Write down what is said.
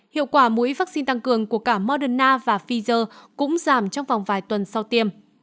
hiệu quả mũi vaccine tăng cường của cả moderna và pfizer cũng giảm trong vòng vài tuần sau tiêm